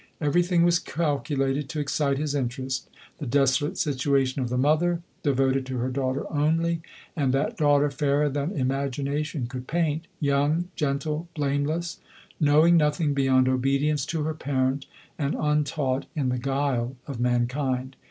Every thing was calculated to excite his interest. The desolate situation of the mother, devoted to her daughter only, and that daughter fairer than imagination could paint, young, gentle, blameless, knowing nothing beyond obedience to her parent, and untaught in the guile of mankind.